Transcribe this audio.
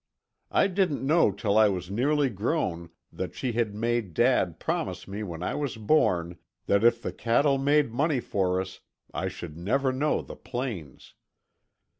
I didn't know till I was nearly grown that she had made dad promise when I was born that if the cattle made money for us, I should never know the plains.